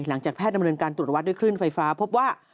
หลังจากแพทย์ดำเนินการตรวจวัดด้วยคลื่นไฟฟ้าพบว่า